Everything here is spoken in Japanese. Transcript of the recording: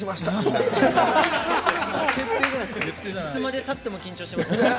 いつまでたっても緊張しましたね。